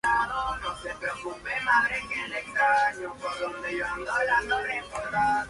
Desafortunadamente, ambos equipos son asesinados por la misma amenaza basada en Brood.